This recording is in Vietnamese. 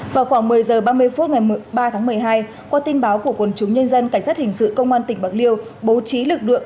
vào khoảng một mươi h ba mươi phút ngày ba tháng một mươi hai qua tin báo của quân chúng nhân dân cảnh sát hình sự công an tỉnh bạc liêu bố trí lực lượng